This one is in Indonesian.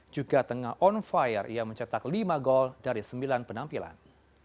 juga tengah on fire ia mencetak lima gol dari sembilan penampilan